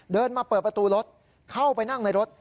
เดินมาเปิดประตูรถเข้าไปนั่งในรถ